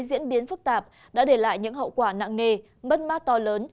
và dịch bệnh phức tạp đã để lại những hậu quả nặng nề mất mát to lớn